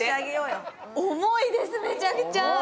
重いです、めちゃくちゃ。